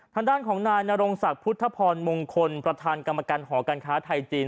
ทางด้านของนายนรงศักดิ์พุทธพรมงคลประธานกรรมการหอการค้าไทยจีน